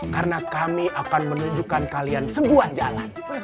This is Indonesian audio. karena kami akan menunjukkan kalian sebuah jalan